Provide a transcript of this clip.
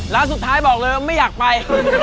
แล้วสุดท้ายบอกเลยว่าไม่อยากไป